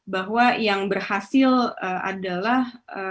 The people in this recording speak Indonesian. bahwa yang berhasil adalah